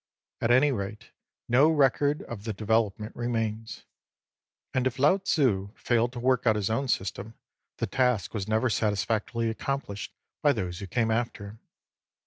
At any rate, no record of the development remains. And if Lao Tzil failed to work out his own system, the task was never satisfactorily accomplished by those who came after him.